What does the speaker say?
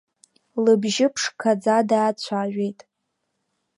Лыбжьы ԥшқаӡа даацәажәеит.